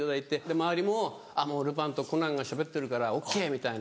周りももうルパンとコナンがしゃべってるからＯＫみたいな。